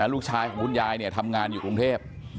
ลูกชายของบุญยายเนี่ยทำงานอยู่กรุงเทพฯ